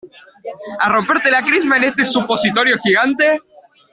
a romperte la crisma en este supositorio gigante?